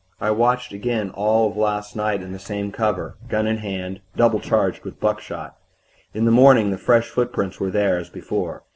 I watched again all of last night in the same cover, gun in hand, double charged with buckshot. In the morning the fresh footprints were there, as before.